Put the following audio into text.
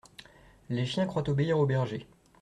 Les chiens croient obéir aux bergers.